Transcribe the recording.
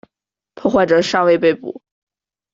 破坏者尚未被捕。